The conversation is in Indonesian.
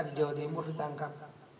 di jawa timur ditangkap